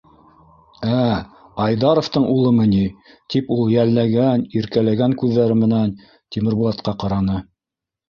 — Ә, Айдаровтың улымы ни? — тип, ул йәлләгән, иркәләгән күҙҙәре менән Тимербулатҡа ҡараны.